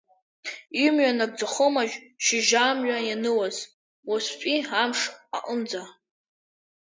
Имҩа нагӡахомашь шьыжь амҩа ианылаз, уаҵәтәи амш аҟынӡа…